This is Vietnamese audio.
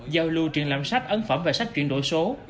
giao lưu truyền làm sách ấn phẩm về sách chuyển đổi số